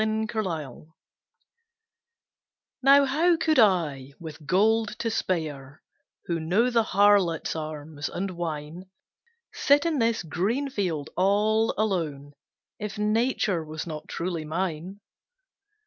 THE TWO LIVES Now how could I, with gold to spare, Who know the harlot's arms, and wine, Sit in this green field all alone, If Nature was not truly mine?